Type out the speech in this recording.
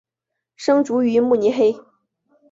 生卒于慕尼黑。